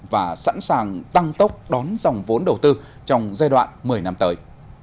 và sẵn sàng tăng tốc đón dòng vốn đầu tư trong giai đoạn một mươi năm tới